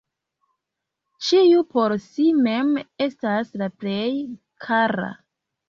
Ĉiu por si mem estas la plej kara.